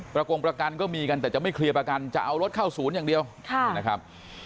โกงประกันก็มีกันแต่จะไม่เคลียร์ประกันจะเอารถเข้าศูนย์อย่างเดียวนะครับ